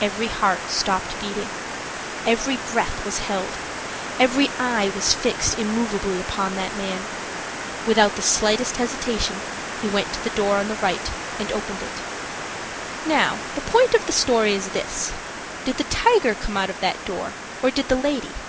Every heart stopped beating, every breath was held, every eye was fixed immovably upon that man. Without the slightest hesitation, he went to the door on the right, and opened it. Now, the point of the story is this: Did the tiger come out of that door, or did the lady?